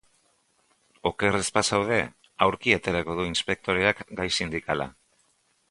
Oker ez bazaude, aurki aterako du inspektoreak gai sindikala.